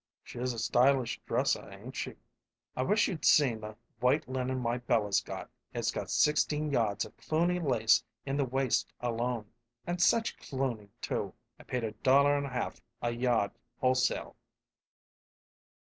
"She is a stylish dresser, ain't she?" "I wish you'd see the white linen my Bella's got. It's got sixteen yards of Cluny lace in the waist alone and such Cluny, too! I paid a dollar and a half a yard wholesale."